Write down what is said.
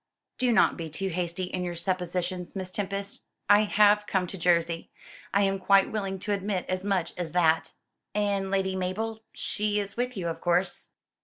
"Do not be too hasty in your suppositions, Miss Tempest. I have come to Jersey I am quite willing to admit as much as that." "And Lady Mabel? She is with you, of course?"